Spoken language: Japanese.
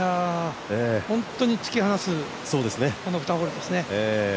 本当に突き放すゴルフですね。